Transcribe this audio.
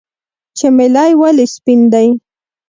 چمیلی ولې سپین دی؟